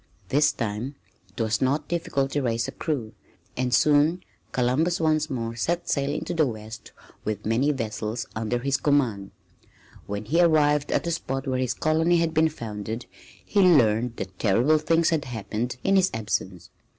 This time it was not difficult to raise a crew, and soon Columbus once more set sail into the west with many vessels under his command. When he arrived at the spot where his colony had been founded he learned that terrible things had happened in his absence.